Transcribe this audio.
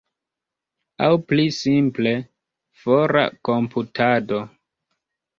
Aŭ pli simple, fora komputado.